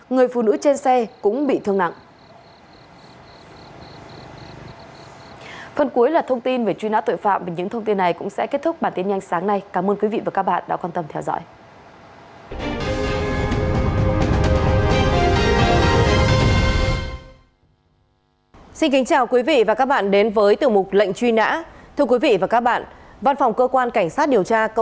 người phụ nữ trên xe cũng bị thương nặng